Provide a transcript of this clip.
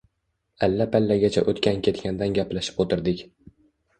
Alla-pallagacha o‘tgan-ketgandan gaplashib o‘tirdik.